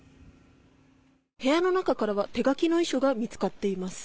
部屋の中からは手書きの遺書が見つかっています。